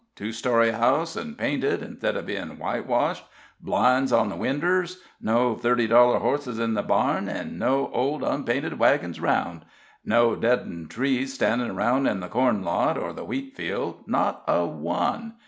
Two story house, and painted instead of being whitewashed; blinds on the winders; no thirty dollar horses in the barn, an' no old, unpainted wagons around; no deadened trees standin' aroun' in the corn lot or the wheat field not a one.